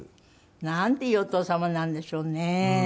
なんていいお父様なんでしょうね。